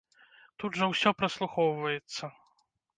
Тут жа ўсё праслухоўваецца!